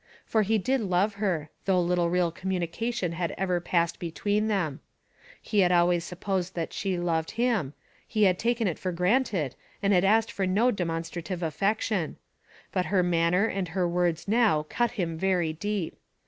For he did love her, though little real communication had ever passed between them; he had always supposed that she loved him; he had taken it for granted, and had asked for no demonstrative affection; but her manner and her words now cut him very deep.